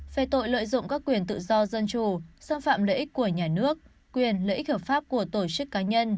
về tội lợi dụng các quyền tự do dân chủ xâm phạm lợi ích của nhà nước quyền lợi ích hợp pháp của tổ chức cá nhân